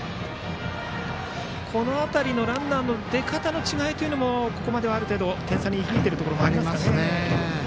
ランナーの出方の違いというのもここまではある程度、点差に響いているところありますね。